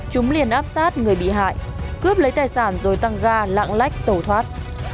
chúng liền áp sát người bị hại cướp lấy tài sản rồi tăng ga lạng lách tẩu thoát